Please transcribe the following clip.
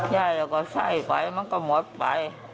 ยายแล้วก็ไส้ไฟมันก็หมดไป